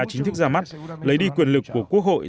chính thức ra mắt lấy đi quyền lực của quốc hội